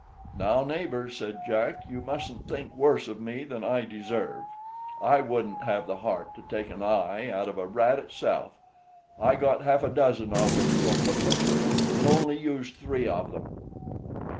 "Now, neighbors," said Jack, "you mustn't think worse of me than I deserve. I wouldn't have the heart to take an eye out of a rat itself; I got half a dozen of them from the butcher, and only used three of them."